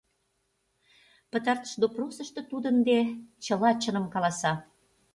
Пытартыш допросышто тудо ынде чыла чыным каласа.